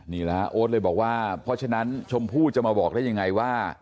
นี่แหละฮะโอ๊ตเลยบอกว่าเพราะฉะนั้นชมพู่จะมาบอกได้ยังไงว่า